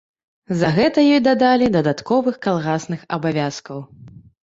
За гэта ёй дадалі дадатковых калгасных абавязкаў.